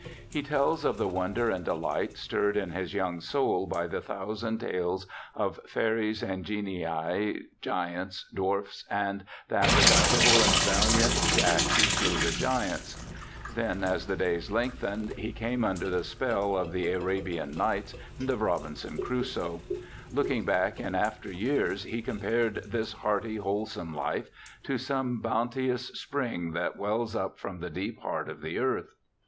He tells of the wonder and deHght stirred in his young soul by the thousand tales of ' fairies and genii, giants, dwarfs, and that redoubtable and valiant Jack who slew the giants '. Then, as the days lengthened, he came under the spell of The Arabimt Nights and of Robinson Crusoe. Looking back in after years, he compared this hearty, wholesome life to some bounteous spring that wells up from the deep heart of the earth.